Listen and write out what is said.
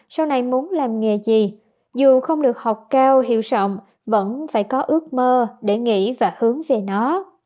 sau này muốn làm nghề gì dù không được học cao hiểu sọng vẫn phải có ước mơ để nghĩ và hướng về nó